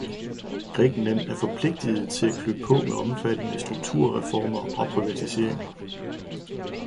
Grækenland er forpligtet til at klø på med omfattende strukturreformer og privatiseringer.